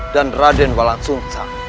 dan raden walansungsa